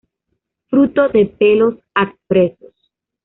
Fruto de pelos adpresos.